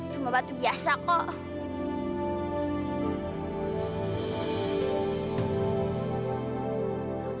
cuma batu biasa kok